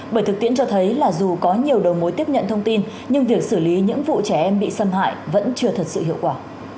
bởi thực tiễn cho thấy là dù có nhiều đầu mối tiếp nhận thông tin nhưng việc xử lý những vụ trẻ em bị xâm hại vẫn chưa thật sự hiệu quả